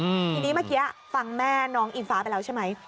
ทีนี้เมื่อกี้ฟังแม่น้องอิงฟ้าไปแล้วใช่ไหม